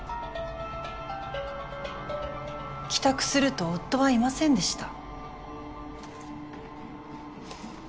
帰宅すると夫はいませんでした。